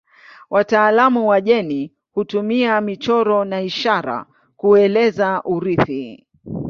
Wataalamu wa jeni hutumia michoro na ishara kueleza urithi.